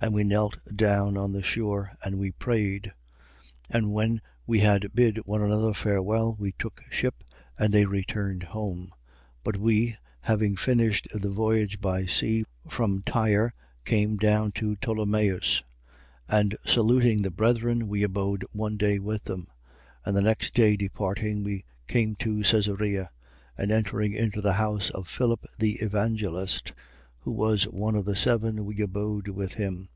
And we kneeled down on the shore: and we prayed. 21:6. And when we had bid one another farewell, we took ship. And they returned home. 21:7. But we, having finished the voyage by sea, from Tyre came down to Ptolemais: and saluting the brethren, we abode one day with them. 21:8. And the next day departing, we came to Caesarea. And entering into the house of Philip the evangelist, who was one of the seven, we abode with him.